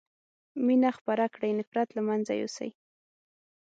مينه خپره کړي نفرت له منځه يوسئ